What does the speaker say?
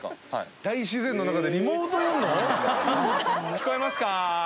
聞こえますか？